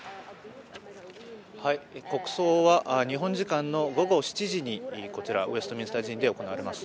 国葬は日本時間の午後７時にこちら、ウェストミンスター寺院で行われます。